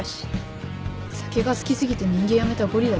酒が好きすぎて人間やめたゴリラだよ。